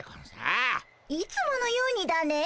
いつものようにだね。